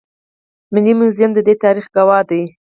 ملي موزیم د دې تاریخ ګواه دی